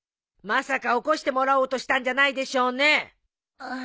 まさか起こしてもらおうとしたんじゃないでしょうね。